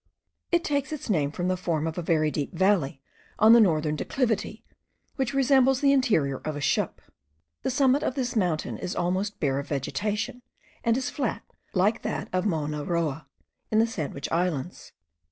It takes its name from the form of a very deep valley on the northern declivity, which resembles the interior of a ship. The summit of this mountain is almost bare of vegetation, and is flat like that of Mowna Roa, in the Sandwich Islands.